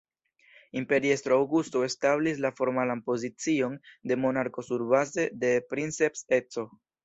Imperiestro Aŭgusto establis la formalan pozicion de monarko surbaze de "princeps"-eco.